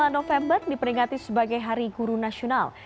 dua puluh november diperingati sebagai hari guru nasional